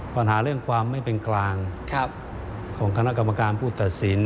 ปัญหาเรื่องความไม่เป็นกลางของคณะกรรมการผู้ตัดสิน